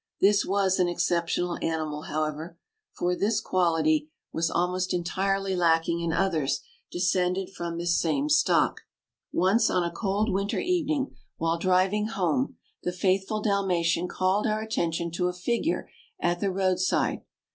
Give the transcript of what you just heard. This was an exceptional animal, however, for this quality 39 610 THE AMERICAN BOOK OF THE DOG. was almost entirely lacking in others descended from this same stock. Once on a cold winter evening, while driving home, the faithful Dalmatian called our attention to a figure at the roadside.